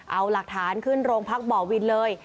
เอาหลักฐานขึ้นโรงพักบ่อวินเลย